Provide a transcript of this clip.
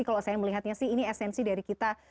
kalau saya melihatnya sih ini esensi dari kita